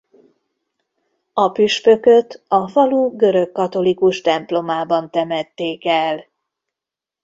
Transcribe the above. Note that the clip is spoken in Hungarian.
A püspököt a falu görögkatolikus templomában temették el.